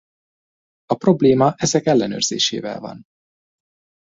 A probléma ezek ellenőrzésével van.